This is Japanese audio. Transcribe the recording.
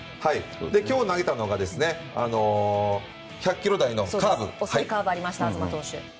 今日、投げたのが１００キロ台のカーブですね。